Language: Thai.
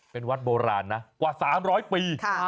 เป็นวัดโบราณนะกว่า๓๐๐ปี